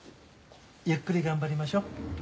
ゆっくり頑張りましょう。